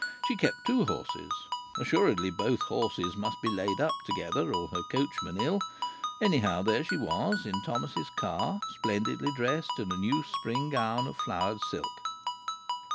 She kept two horses. Assuredly both horses must be laid up together, or her coachman ill. Anyhow, there she was, in Thomas's car, splendidly dressed in a new spring gown of flowered silk.